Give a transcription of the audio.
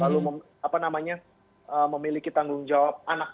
lalu memiliki tanggung jawab anak